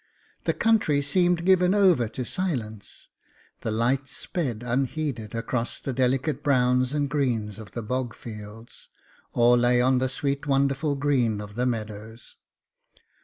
The country seemed given over to silence, the light sped unheeded across the delicate browns and greens of the bog fields; or lay on the sweet wonderful green of the meadows.